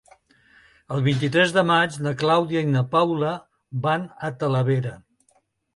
El vint-i-tres de maig na Clàudia i na Paula van a Talavera.